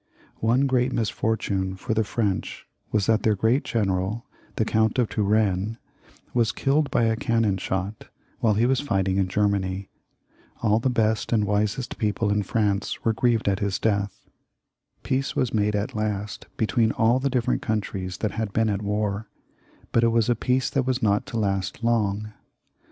One great misfortune for the French was that their great general, the Count of Turenne, was killed by a cannpn shot while he was fighting in Germany. All the best and 346 LOUIS XIV, [CH. wisest people in France were grieved at his death. Peace was made at last between all the different countries that had been at war, but it was a peace that was not to last long.